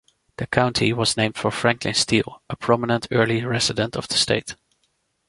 The county was named for Franklin Steele, a prominent early resident of the state.